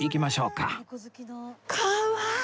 かわいい！